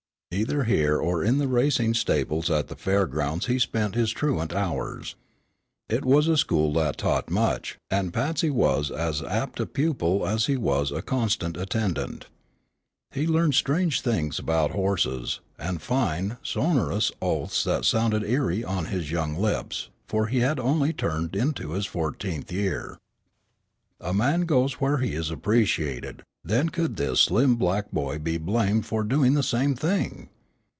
Either here or in the racing stables at the Fair grounds he spent his truant hours. It was a school that taught much, and Patsy was as apt a pupil as he was a constant attendant. He learned strange things about horses, and fine, sonorous oaths that sounded eerie on his young lips, for he had only turned into his fourteenth year. A man goes where he is appreciated; then could this slim black boy be blamed for doing the same thing?